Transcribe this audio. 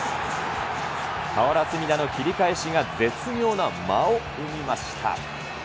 俵積田の切り返しが絶妙な間を生みました。